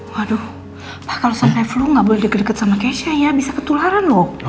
waduh ah kalau sampai flu nggak boleh deket deket sama keisha ya bisa ketularan loh